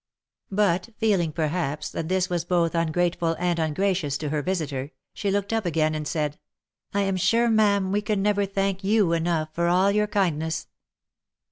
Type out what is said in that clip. But feeling, perhaps, that this was both ungrateful and ungracious to her visiter, she looked up again and said, " I am sure, ma'am, we can never thank you enough for all your kindness."